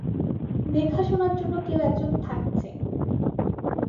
দেখা-শুনার জন্য কেউ একজন থাকছে।